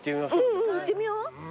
うんうん行ってみよう。